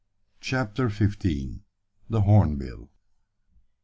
CHAPTER FIFTEEN. THE HORNBILL.